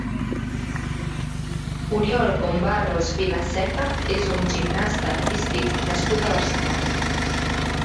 Oriol Combarros Vilaseca és un gimnasta artístic nascut a Barcelona.